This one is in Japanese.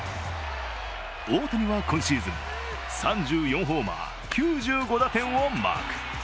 大谷は今シーズン、３４ホーマー９５打点をマーク。